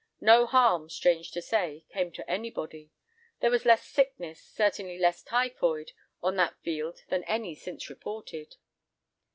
No harm, strange to say, came to anybody. There was less sickness, certainly less typhoid, on that field than any since reported.